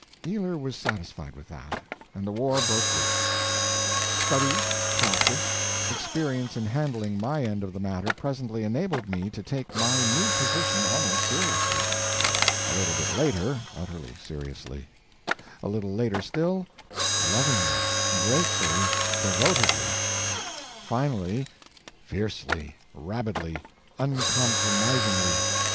Ealer was satisfied with that, and the war broke loose. Study, practice, experience in handling my end of the matter presently enabled me to take my new position almost seriously; a little bit later, utterly seriously; a little later still, lovingly, gratefully, devotedly; finally: fiercely, rabidly, uncompromisingly.